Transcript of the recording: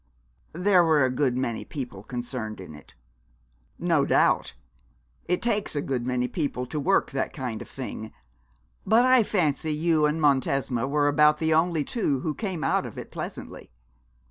'There were a good many people concerned in it.' 'No doubt; it takes a good many people to work that kind of thing, but I fancy you and Montesma were about the only two who came out of it pleasantly.